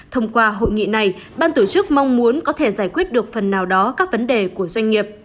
thông qua hội nghị này ban tổ chức mong muốn có thể giải quyết được phần nào đó các vấn đề của doanh nghiệp